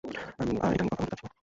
আমি আর এটা নিয়া কথা বলতে চাচ্ছি না!